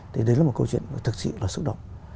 thì đấy là một câu chuyện thực sự là xúc động